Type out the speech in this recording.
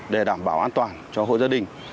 để đảm bảo an toàn cho hội gia đình